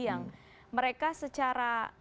yang mereka secara